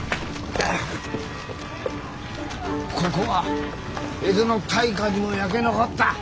ここは江戸の大火でも焼け残った！